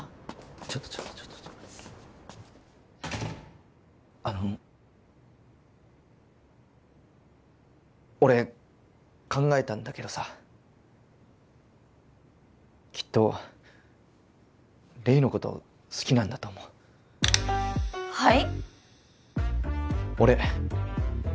ちょっとちょっとちょっとあの俺考えたんだけどさきっと黎のこと好きなんだと思うはい？